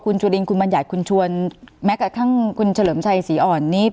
คุณจุฬินคุณบรรยาชคุณชวนแม้กับข้างคุณเฉลิมชัยศรีอ่อนนี้